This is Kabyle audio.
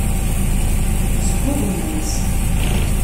Sgugmen-tt.